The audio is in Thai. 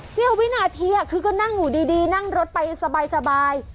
วินาทีคือก็นั่งอยู่ดีนั่งรถไปสบาย